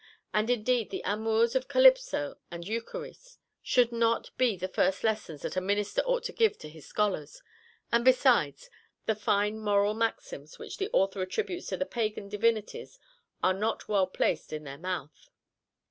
And indeed the amours of Calypso and Eucharis should not be the first lessons that a minister ought to give to his scholars; and, besides, the fine moral maxims which the author attributes to the Pagan divinities are not well placed in their mouth.